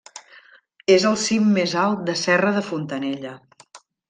És el cim més alt de Serra de Fontanella.